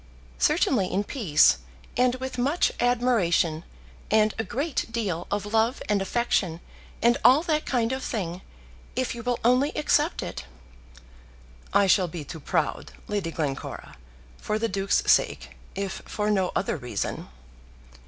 "Certainly in peace, and with much admiration, and a great deal of love and affection, and all that kind of thing, if you will only accept it." "I shall be too proud, Lady Glencora; for the Duke's sake, if for no other reason."